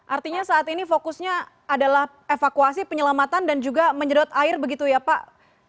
artinya saat ini fokusnya adalah evakuasi penyelamatan dan juga menyedot air begitu ya pak